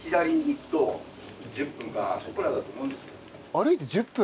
歩いて１０分！